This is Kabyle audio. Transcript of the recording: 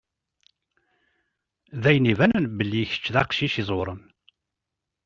D ayen ibanen belli kečč d aqcic iẓewṛen.